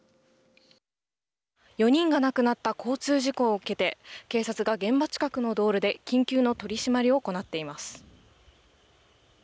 ４人が亡くなった交通事故を受けて警察が現場近くの道路で緊急の取締りを行っています。